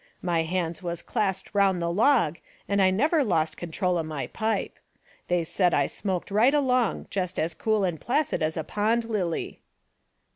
My hands was clasped round the log, and I never lost control o' my pipe. They said I smoked right along, jest as cool an' placid as a pond lily